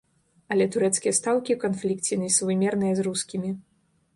Але турэцкія стаўкі ў канфлікце несувымерныя з рускімі.